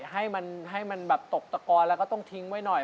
ให้มันตกตะกรและทิ้งไว้หน่อย